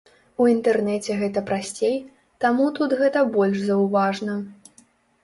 У інтэрнэце гэта прасцей, таму тут гэта больш заўважна.